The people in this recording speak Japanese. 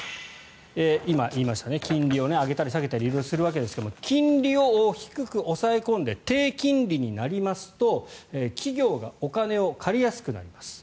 今、言いました金利を上げたり下げたりするわけですが金利を低く抑え込んで低金利になりますと企業がお金を借りやすくなります。